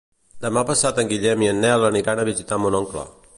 Demà passat en Guillem i en Nel aniran a visitar mon oncle.